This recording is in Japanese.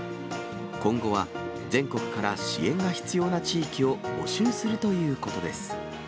今後は全国から支援が必要な地域を募集するということです。